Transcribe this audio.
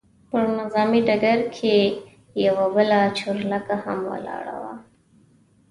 پر نظامي ډګر کې یوه بله چورلکه هم ولاړه وه.